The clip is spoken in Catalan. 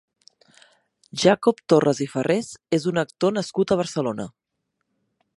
Jacob Torres i Farrés és un actor nascut a Barcelona.